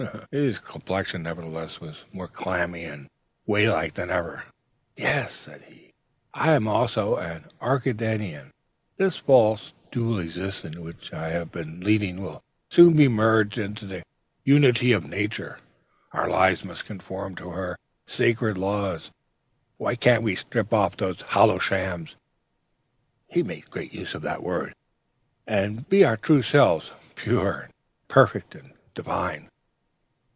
His complexion, nevertheless, was more clammy and whey like than ever. "'Yes,' said he, 'I also am an Arcadian! This false dual existence which I have been leading will soon be merged in the unity of Nature. Our lives must conform to her sacred law. Why can't we strip off these hollow Shams' (he made great use of that word), 'and be our true selves, pure, perfect, and divine?'